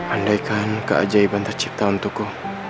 andaikan keajaiban tercipta untukku